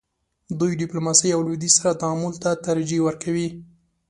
دوی ډیپلوماسۍ او لویدیځ سره تعامل ته ترجیح ورکوي.